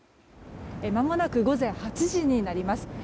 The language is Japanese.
まもなく午前８時になります。